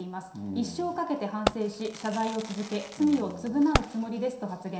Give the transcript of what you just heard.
一生かけて反省し、謝罪を続け、罪を償うつもりですと発言。